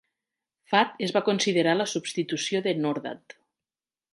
Fath es va considerar la substitució de Khordad.